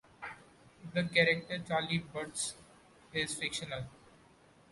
The character Charlie Butts is fictional.